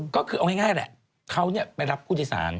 ก็คือเอาง่ายแหละเขาไปรับผู้โดยสาร